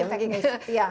terlalu teknis ya